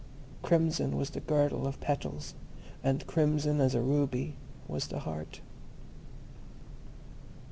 Crimson was the girdle of petals, and crimson as a ruby was the heart.